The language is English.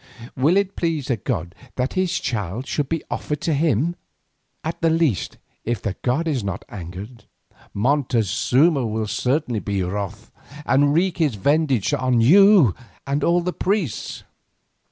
Will it please the god that his child should be offered to him? At the least, if the god is not angered, Montezuma will certainly be wroth, and wreak a vengeance on you and on the priests."